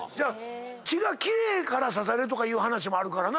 血が奇麗やから刺されるとかいう話もあるからな。